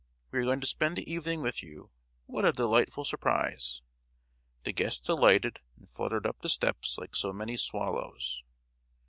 We are going to spend the evening with you. What a delightful surprise." The guests alighted and fluttered up the steps like so many swallows.